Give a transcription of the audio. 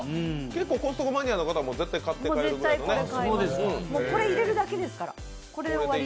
結構コストコマニアの方は買って帰るぐらい。